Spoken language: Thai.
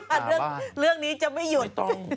อะไรบ้างไม่ต้องเรื่องนี้จะไม่หยุด